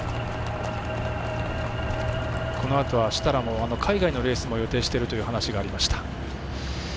このあとは設楽も海外のレースも予定しているという話もありました。